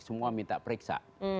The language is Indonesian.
semua minta periksa